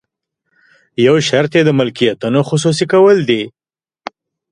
یو شرط یې د ملکیتونو خصوصي کول دي.